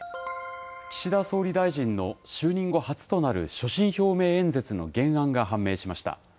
岸田総理大臣の就任後初となる所信表明演説の原案が判明しました。